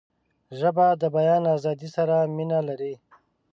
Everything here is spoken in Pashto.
ژبه د بیان آزادۍ سره مینه لري